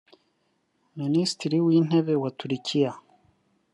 Minisitiri w’Intebe wa Turikiya